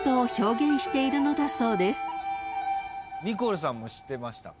ニコルさんも知ってましたか？